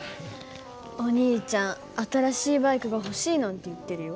お兄ちゃん新しいバイクが欲しいなんて言ってるよ。